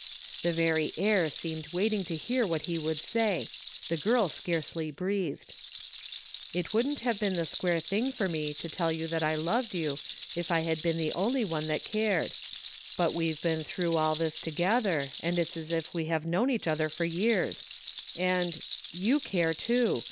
The very air seemed waiting to hear what he would say. The girl scarcely breathed. It wouldn't have been the square thing for me to tell you that I loved you if I had been the only one that cared ; but we've been through all this together, and it's as if we had known each other for years — ^and — you care too